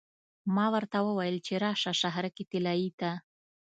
ما ورته وویل چې راشه شهرک طلایې ته.